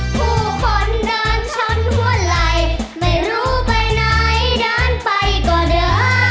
ผู้คนเดินชนหัวไหล่ไม่รู้ไปไหนเดินไปก็เด้อ